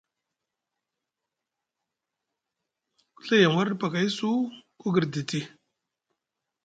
Ku Ɵa yem warɗi paakay su, ku girditi.